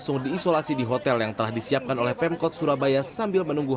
langsung diisolasi di hotel yang telah disiapkan oleh pemkot surabaya sambil menunggu